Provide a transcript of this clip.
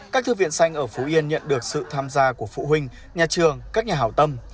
các thư viện xanh ở phú yên nhận được sự tham gia của phụ huynh nhà trường các nhà hảo tâm